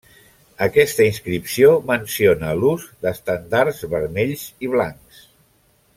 Aquesta inscripció menciona l'ús d'estendards vermells i blancs.